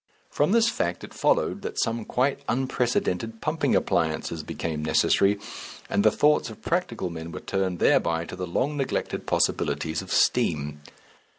From this fact it followed that some quite unprecedented pumping appliances became necessary, and the thoughts of practical men were turned thereby to the long neglected possibilities of steam.